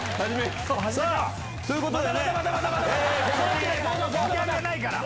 さぁということで。